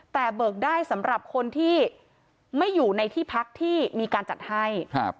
แต่เบิกได้สำหรับคนที่ไม่อยู่ในที่พักที่มีการจัดให้